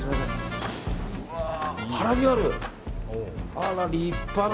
あら、立派な。